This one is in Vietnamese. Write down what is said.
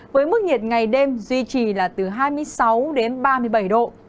với mức nhiệt ngày đêm duy trì là từ hai mươi sáu đến ba mươi bảy độ